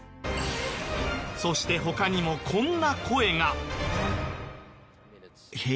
そして他にもこんな声が。